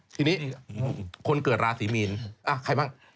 ทีนี้คนเกิดราศีมีนใครบ้าง